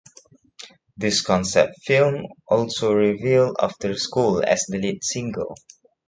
This concept film also revealed "After School" as the lead single.